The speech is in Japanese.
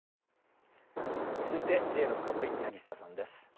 続いてＪのフカボリ柳下さんです。